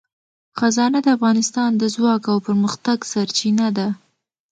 خزانه د انسان د ځواک او پرمختګ سرچینه ده.